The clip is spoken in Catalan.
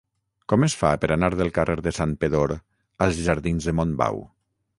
Com es fa per anar del carrer de Santpedor als jardins de Montbau?